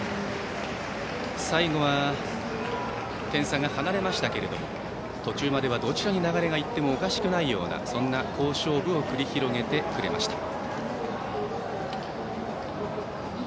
最後は点差が離れましたけれども途中まではどちらに流れが行ってもおかしくないような好勝負を繰り広げてくれました。